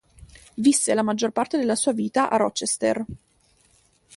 Visse la maggior parte della sua vita a Rochester.